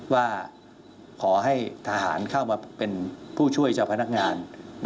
ว่าขอให้ทหารเข้ามาเป็นผู้ช่วยเจ้าพนักงาน